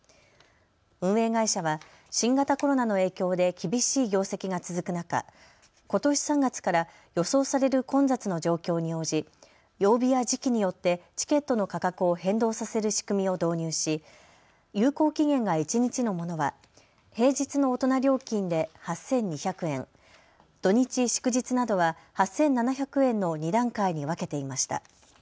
運営会社は新型コロナの影響で厳しい業績が続く中、ことし３月から予想される混雑の状況に応じ曜日や時期によってチケットの価格を変動させる仕組みを導入し有効期限が一日のものは平日の大人料金で８２００円、土日、祝日などは８７００円の２段階に分けていました。